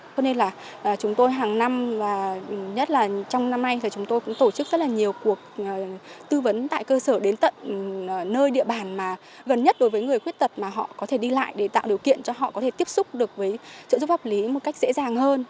cho nên là chúng tôi hàng năm và nhất là trong năm nay thì chúng tôi cũng tổ chức rất là nhiều cuộc tư vấn tại cơ sở đến tận nơi địa bàn mà gần nhất đối với người khuyết tật mà họ có thể đi lại để tạo điều kiện cho họ có thể tiếp xúc được với trợ giúp pháp lý một cách dễ dàng hơn